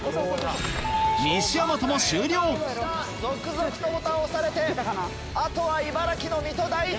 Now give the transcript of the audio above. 西大和も終了続々とボタン押されてあとは茨城の水戸第一！